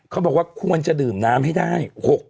เขาบอกว่าควรจะดื่มน้ำให้ได้